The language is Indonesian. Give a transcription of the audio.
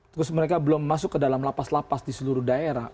terus mereka belum masuk ke dalam lapas lapas di seluruh daerah